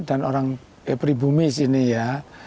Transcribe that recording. dan orang pribumi sini ya